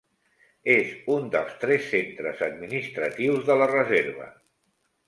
És un dels tres centres administratius de la reserva.